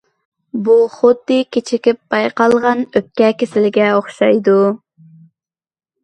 بۇ خۇددى كېچىكىپ بايقالغان ئۆپكە كېسىلىگە ئوخشايدۇ.